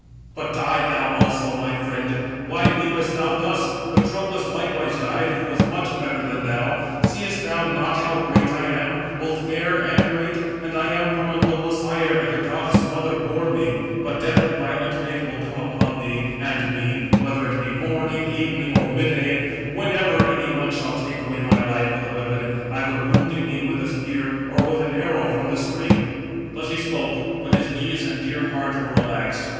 But die thou also, my friend; why weepest thou thus? Patroclus likewise died, who was much better than thou. Seest thou not how great I am? both fair and great; and I am from a noble sire, and a goddess mother bore me; but Death and violent Fate will come upon thee and me, whether [it be] morning, evening, or mid day; 672 whenever any one shall take away my life with a weapon, either wounding me with a spear, or with an arrow from the string." Footnote 672: (return) See Kennedy. Thus he spoke; but his knees and dear heart were relaxed.